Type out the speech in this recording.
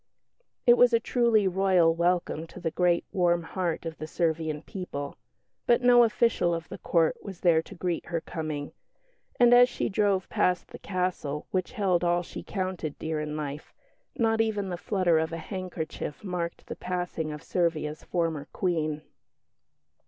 It was a truly Royal welcome to the great warm heart of the Servian people; but no official of the Court was there to greet her coming, and as she drove past the castle which held all she counted dear in life, not even the flutter of a handkerchief marked the passing of Servia's former Queen.